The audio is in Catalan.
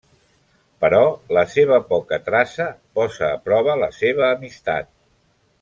Però la seva poca traça posa a prova la seva amistat.